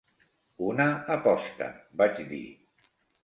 "Una aposta", vaig dir.